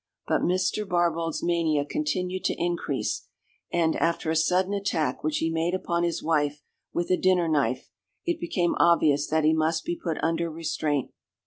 But Mr. Barbauld's mania continued to increase, and after a sudden attack which he made upon his wife with a dinner knife, it became obvious that he must be put under restraint.